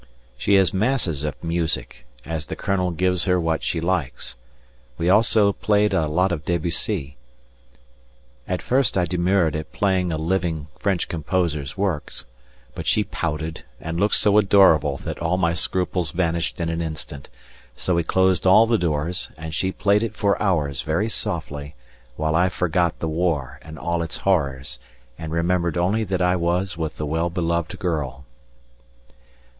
She has masses of music, as the Colonel gives her what she likes. We also played a lot of Debussy. At first I demurred at playing a living French composer's works, but she pouted and looked so adorable that all my scruples vanished in an instant, so we closed all the doors and she played it for hours very softly whilst I forgot the war and all its horrors and remembered only that I was with the well beloved girl.